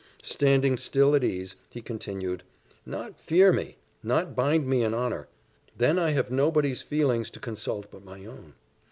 Standing still at ease, he continued, "Not fear me! Not bind me in honour! Then I have nobody's feelings to consult but my own.